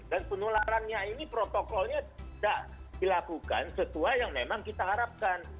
dan penularannya ini protokolnya tidak dilakukan sesuai yang memang kita harapkan